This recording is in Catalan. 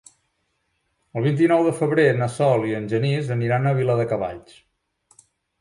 El vint-i-nou de febrer na Sol i en Genís aniran a Viladecavalls.